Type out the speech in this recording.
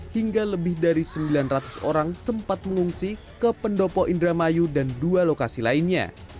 hingga lebih dari sembilan ratus orang sempat mengungsi ke pendopo indramayu dan dua lokasi lainnya